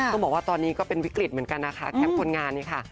ต้องบอกว่าตอนนี้ก็เป็นวิกฤตเหมือนกันนะคะแคมป์คนงานนี่ค่ะ